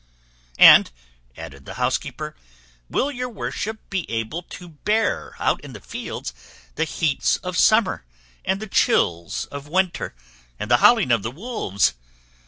'" "And," added the housekeeper, "will your worship be able to bear, out in the fields, the heats of summer, and the chills of winter, and the howling of the wolves?